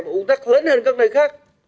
mà un tắc lớn hơn các nơi khác